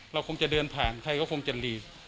เราคงจะเดินผ่านใครก็คงจะดี